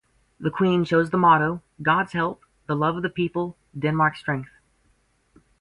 The Queen chose the motto: God's help, the love of The People, Denmark's strength.